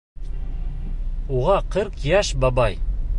Уға ҡырҡ йәш, бабай!